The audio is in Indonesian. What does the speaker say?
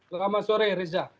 selamat sore rizah